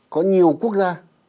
có nhiều quốc gia